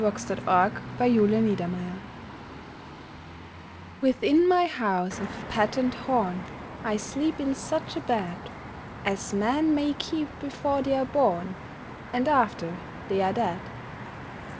THE TORTOISE IN ETERNITY Within my house of patterned horn I sleep in such a bed As men may keep before they're born And after they are dead.